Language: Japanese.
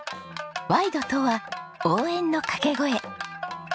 「ワイド」とは応援のかけ声。